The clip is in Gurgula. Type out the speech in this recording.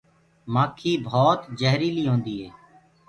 مآکي ڀوت جهريلي هوندي هي۔